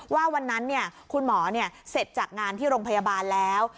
ว่าวันนั้นคุณหมอเสร็จจากงานที่โรงพยาบาลแล้ว